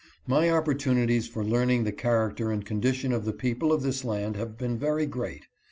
My opportunities for learning the character and condition of the people of this land have been very great.